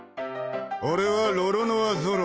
俺はロロノア・ゾロ。